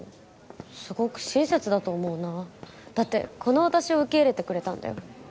すごく親切だと思うなだってこの私を受け入れてくれたんだよ